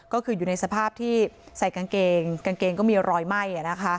ก็คืออยู่ในสภาพที่ใส่กางเกงกางเกงก็มีรอยไหม้